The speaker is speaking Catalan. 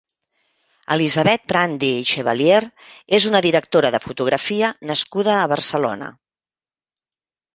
Elisabeth Prandi i Chevalier és una directora de fotografia nascuda a Barcelona.